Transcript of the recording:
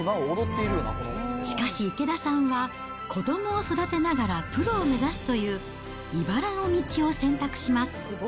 しかし池田さんは、子どもを育てながらプロを目指すという、いばらの道を選択します。